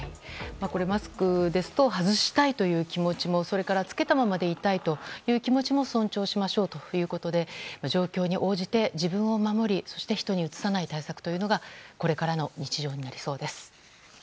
マスクですと外したいという気持ちもそれから着けたままでいたいという気持ちも尊重しましょうということで状況に応じて、自分を守りそして人にうつさない対策がこれからの日常になりそうです。